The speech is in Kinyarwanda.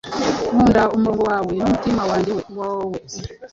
Nkunda umurongo wawe n'umutima wanjye woe,